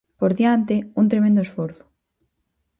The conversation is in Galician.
Por diante, un tremendo esforzo.